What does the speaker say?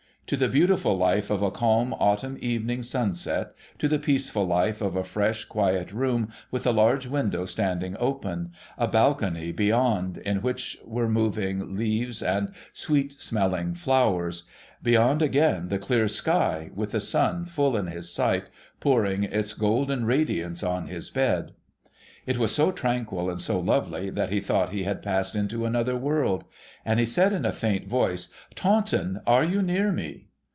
To the beautiful life of a calm autumn evening sunset, to the peaceful life of a fresh, quiet room with a large window standing open; a balcony beyond, in which were moving leaves and sweet smelling flowers ; beyond, again, the clear sky, with the sun full in his sight, pouring its golden radiance on his bed. It was so tranquil and so lovely that he thought he had passed into another world. And he said in a faint voice, ' Taunton, are you near me